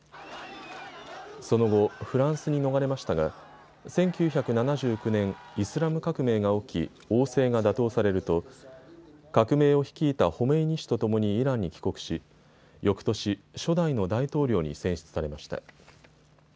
その後、フランスに逃れましたが１９７９年、イスラム革命が起き王政が打倒されると革命を率いたホメイニ師とともにイランに帰国しよくとし、初代の大統領に選出されました。